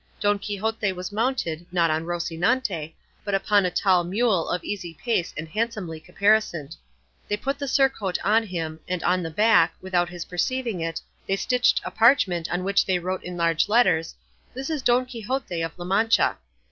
Don Quixote was mounted, not on Rocinante, but upon a tall mule of easy pace and handsomely caparisoned. They put the surcoat on him, and on the back, without his perceiving it, they stitched a parchment on which they wrote in large letters, "This is Don Quixote of La Mancha."